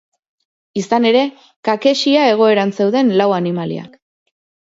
Izan ere, kakexia egoeran zeuden lau animaliak.